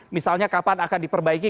misalnya kapan akan diperbaiki